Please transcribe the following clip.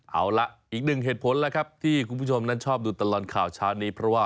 เอาละอีกหนึ่งเหตุผลแล้วครับที่คุณผู้ชมนั้นชอบดูตลอดข่าวเช้านี้เพราะว่า